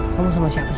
kamu sama siapa sih